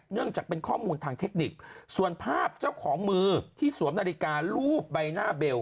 จากเป็นข้อมูลทางเทคนิคส่วนภาพเจ้าของมือที่สวมนาฬิการูปใบหน้าเบล